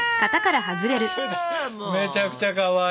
めちゃくちゃかわいい。